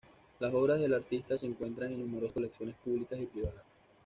Las obras del artista se encuentran en numerosas colecciones públicas y privadas.